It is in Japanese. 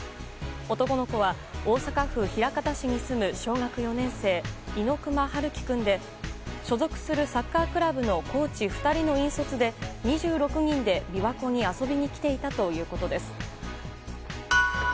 男の子は大阪府枚方市に住む小学４年生、猪熊遥希君で所属するサッカークラブのコーチ２人の引率で２６人で琵琶湖に遊びに来ていたということです。